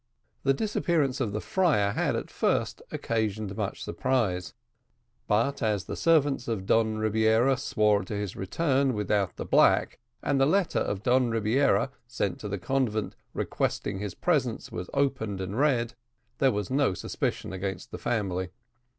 The disappearance of the friar had, at first, occasioned much surprise; but as the servants of Don Rebiera swore to his return without the black, and the letter of Don Rebiera, sent to the convent, requesting his presence, was opened and read, there was no suspicion against the family.